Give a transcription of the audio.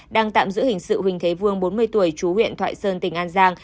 đang tạm giữ hình sự huỳnh thế vương bốn mươi tuổi chú huyện thoại sơn tỉnh an giang